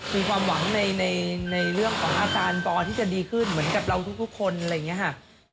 มีความหวังในเรื่องของอาการปอที่จะดีขึ้นเหมือนกับเราทุกคนอะไรอย่างนี้ค่ะ